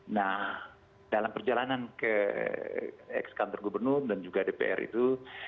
nah dalam perjalanan ke ex kantor gubernur dan juga dpr itu